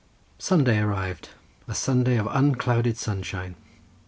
Sunday arrived—a Sunday of unclouded sunshine.